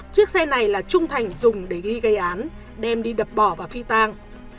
chiếc xe này là trung thành dùng để ghi gây án đem đi đập bỏ và phi tang